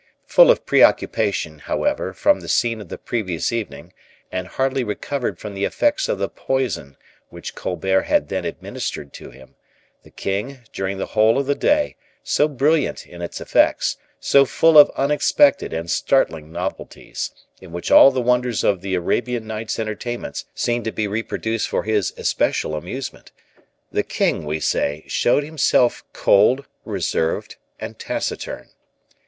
Full of preoccupation, however, from the scene of the previous evening, and hardly recovered from the effects of the poison which Colbert had then administered to him, the king, during the whole of the day, so brilliant in its effects, so full of unexpected and startling novelties, in which all the wonders of the "Arabian Night's Entertainments" seemed to be reproduced for his especial amusement the king, we say, showed himself cold, reserved, and taciturn.